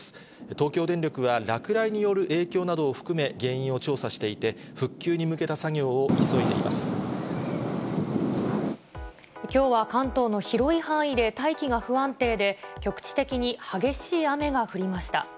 東京電力は落雷による影響などを含め、原因を調査していて、きょうは関東の広い範囲で大気が不安定で、局地的に激しい雨が降りました。